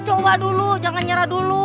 coba dulu jangan nyerah dulu